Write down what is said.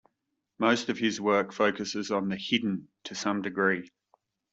Most of his work focuses on the 'hidden' to some degree.